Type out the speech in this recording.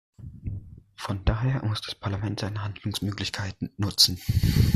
Von daher muss das Parlament seine Handlungsmöglichkeit nutzen.